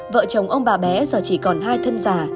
vợ chồng ông bà bé giờ chỉ còn hai thân già